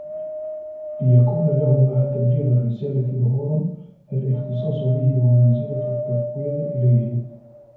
لِيَكُونَ لَهُ مَعَ تَبْلِيغِ الرِّسَالَةِ ظُهُورُ الِاخْتِصَاصِ بِهِ وَمَنْزِلَةُ التَّفْوِيضِ إلَيْهِ